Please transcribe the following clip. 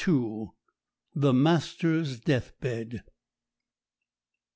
THE MASTER'S DEATHBED.